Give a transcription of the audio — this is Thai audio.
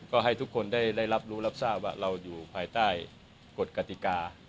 ก็ให้ทุกคนได้รับรู้รับทราบว่าเราอยู่ภายใต้กฎกติกา